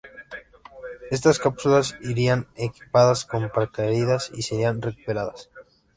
Estas cápsulas irían equipadas con paracaídas y serían recuperadas.